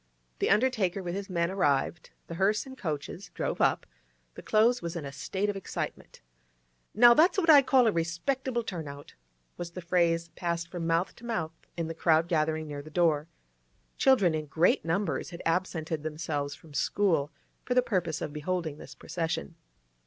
The undertaker with his men arrived; the hearse and coaches drove up; the Close was in a state of excitement. 'Now that's what I call a respectable turn out!' was the phrase passed from mouth to mouth in the crowd gathering near the door. Children in great numbers had absented themselves from school for the purpose of beholding this procession.